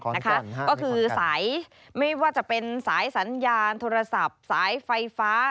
นะคะก็คือสายไม่ว่าจะเป็นสายสัญญาณโทรศัพท์สายไฟฟ้า